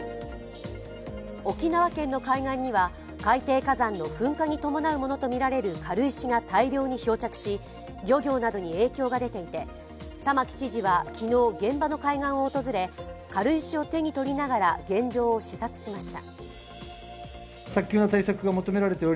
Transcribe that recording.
沖縄県の海岸には海底火山の噴火に伴うものとみられる軽石が大量に漂着し、漁業などに影響が出ていて、玉城知事は昨日、現場の海岸を訪れ軽石を手に取りながら現状を視察しました。